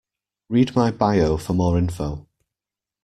Read my bio for more info.